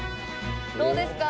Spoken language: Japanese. どうですか？